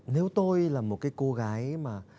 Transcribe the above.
nếu tôi là một cái cô gái mà